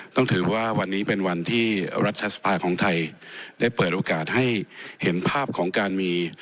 ต้องถือว่าวันนี้เป็นวันที่รัฐสภาของไทยได้เปิดโอกาสให้เห็นภาพของการมี